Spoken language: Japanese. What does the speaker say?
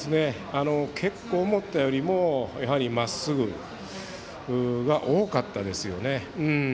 結構、思ったよりもまっすぐが多かったですよね。